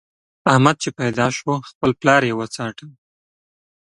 احمد چې پيدا شو؛ خپل پلار يې وڅاټه.